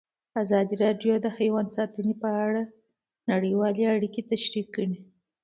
ازادي راډیو د حیوان ساتنه په اړه نړیوالې اړیکې تشریح کړي.